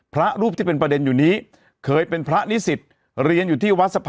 พระรูปที่เป็นประเด็นอยู่นี้เคยเป็นพระนิสิต